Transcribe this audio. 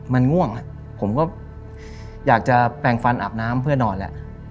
มันง่วงผมก็อยากจะแปลงฟันอาบน้ำเพื่อนอนแหละ